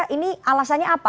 ini alasannya apa